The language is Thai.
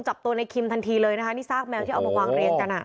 จับตัวในคิมทันทีเลยนะคะนี่ซากแมวที่เอามาวางเรียงกันอ่ะ